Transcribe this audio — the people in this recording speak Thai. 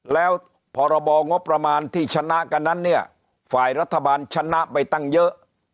แล้วพรบงบประมาณที่ชนะกันนั้นเนี่ยฝ่ายรัฐบาลชนะไปตั้งเยอะ